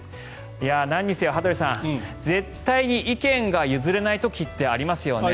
なんにせよ、羽鳥さん絶対に意見が譲れない時ってありますよね。